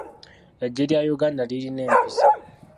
Eggye lya Uganda lirina empisa.